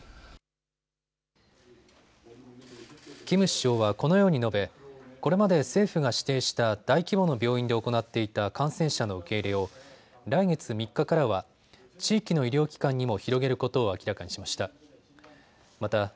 キム首相はこのように述べこれまで政府が指定した大規模の病院で行っていた感染者の受け入れを来月３日からは地域の医療機関にも広げることを明らかにしました。